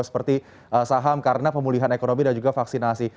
seperti saham karena pemulihan ekonomi dan juga vaksinasi